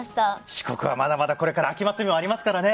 四国はまだまだこれから秋祭りもありまからね。